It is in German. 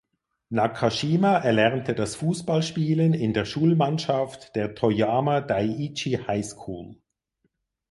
Nakashima erlernte das Fußballspielen in der Schulmannschaft der "Toyama Daiichi High School".